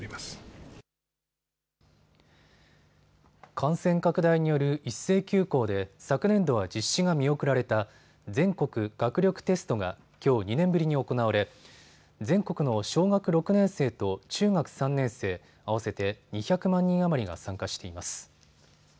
感染拡大による一斉休校で昨年度は実施が見送られた全国学力テストが、きょう２年ぶりに行われ全国の小学６年生と中学３年生合わせて２００万人余りが参加しています。